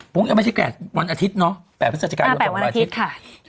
พรุ่งเนี้ยไม่ใช่แค่วันอาทิตย์เนาะ๘พฤศจิกายนประมาณวันอาทิตย์ค่ะ